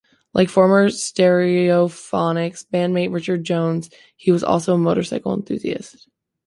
Like former Stereophonics bandmate Richard Jones, he was also a motorcycle enthusiast.